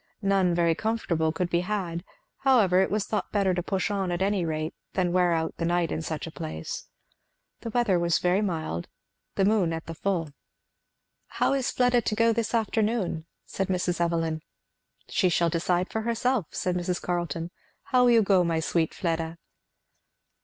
None very comfortable could be had; however it was thought better to push on at any rate than wear out the night in such a place. The weather was very mild; the moon at the full. "How is Fleda to go this afternoon?" said Mrs. Evelyn. "She shall decide herself," said Mrs. Carleton. "How will you go, my sweet Fleda?"